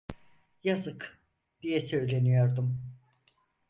"Yazık!" diye söyleniyordum.